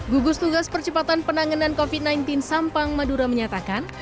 gugus tugas percepatan penanganan covid sembilan belas sampang madura menyatakan